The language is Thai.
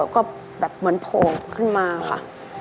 ก็แบบเหมือนโผล่ขึ้นมาค่ะ